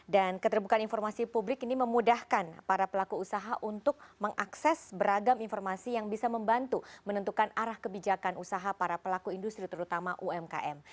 dan keterbukaan informasi publik ini memudahkan para pelaku usaha untuk mengakses beragam informasi yang bisa membantu menentukan arah kebijakan usaha para pelaku industri terutama umkm